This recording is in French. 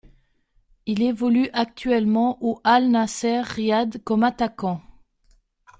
Il évolue actuellement au Al Nasr Riyad comme attaquant.